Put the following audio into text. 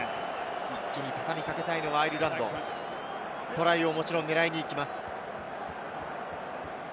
一気に畳み掛けたいのはアイルランド、もちろんトライを狙いに行きます。